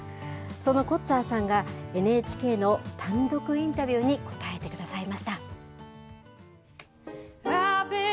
そのコッツァーさんが、ＮＨＫの単独インタビューに答えてくださいました。